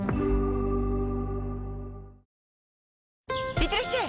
いってらっしゃい！